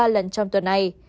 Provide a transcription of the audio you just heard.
ba lần trong tuần này